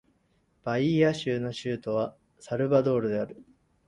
バイーア州の州都はサルヴァドールである